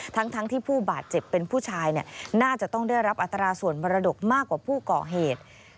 ทั้งที่ผู้บาดเจ็บเป็นผู้ชายน่าจะต้องได้รับอัตราส่วนมรดกมากกว่าผู้ก่อเหตุ